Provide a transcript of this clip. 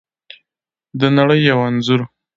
د نړۍ یو انځور